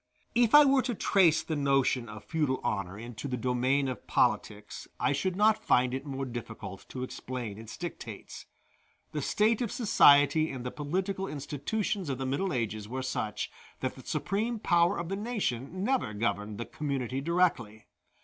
If I were to trace the notion of feudal honor into the domain of politics, I should not find it more difficult to explain its dictates. The state of society and the political institutions of the Middle Ages were such, that the supreme power of the nation never governed the community directly.